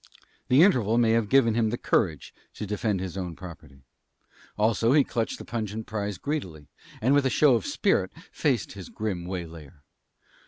The interval may have given him the courage to defend his own property. Also, he clutched his pungent prize greedily, and, with a show of spirit, faced his grim waylayer.